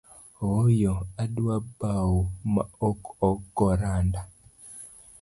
Ooyo, adwa bau maok ogo randa.